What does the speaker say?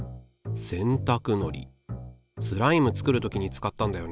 洗たくのりスライム作る時に使ったんだよね。